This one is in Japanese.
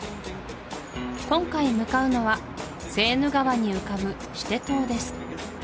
今回向かうのはセーヌ川に浮かぶシテ島です